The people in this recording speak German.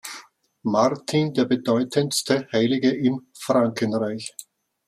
Martin, der bedeutendsten Heilige im Frankenreich.